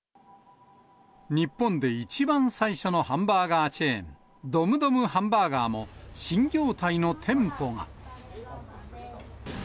日本で一番最初のハンバーガーチェーン、ドムドムハンバーガーも、新業態の店舗が。